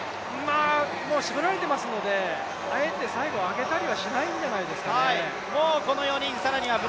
もう絞られていますので、あえて最後、上げたりはしないんじゃないですかね。